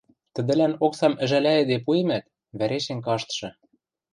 Тӹдӹлӓн оксам ӹжӓлӓйӹде пуэмӓт, вӓрешем каштшы...